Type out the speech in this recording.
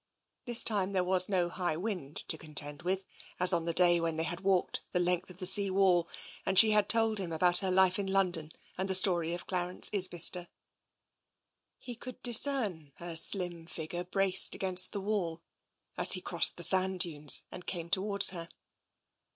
This time there was no high wind to contend with, as on the day when they had walked the length of the sea wall, and she had told him about her life in London and the story of Clarence Isbister. He could discern her slim figure braced against the wall as he crossed the sand dunes and came towards her.